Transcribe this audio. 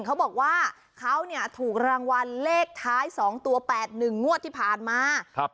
เขาบอกว่าเขาเนี่ยถูกรางวัลเลขท้าย๒ตัว๘๑งวดที่ผ่านมาครับ